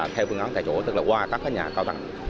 theo phương án tại chỗ tức là qua các nhà cao tầng